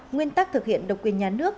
nguyên tắc thực hiện độc quyền nhà nước